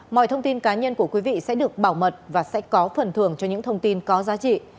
mọi thông tin cá nhân của quý vị sẽ được bảo mật và sẽ có phần thường cho những thông tin có giá trị